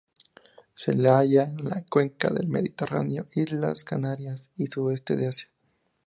Se la halla en la cuenca del Mediterráneo, islas Canarias y sudeste de Asia.